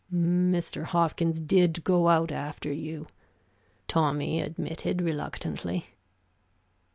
"Mr. Hopkins did go out after you," Tommy admitted, reluctantly.